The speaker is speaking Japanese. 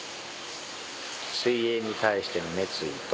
水泳に対しての熱意と。